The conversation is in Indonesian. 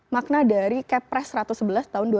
makna dari kepres satu ratus sebelas tahun dua ribu